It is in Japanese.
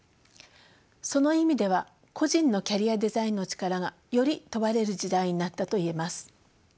その意味では個人のキャリアデザインの力がより問われる時代になったと言えます。